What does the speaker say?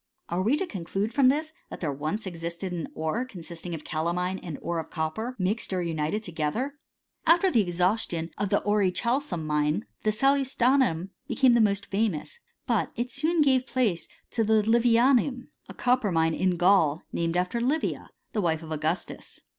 Are we to conclude from this, that there once existed an ore con sisting of calamine and ore of copper, mixed or united together ? After the exhaustion of the auri chalcum mine, the salustianum became the most fa * mous ; but it soon gave place to the livianuniy a cop per mine in (raul, named after Livia, the wife of Augustus.